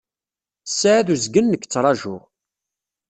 Ssaɛa d uzgen nekk ttrajuɣ.